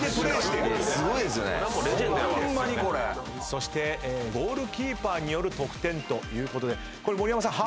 そしてゴールキーパーによる得点ということで盛山さん。